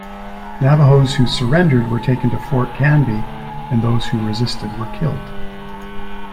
Navajos who surrendered were taken to Fort Canby and those who resisted were killed.